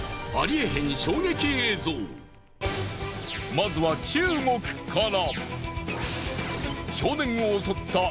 まずは中国から。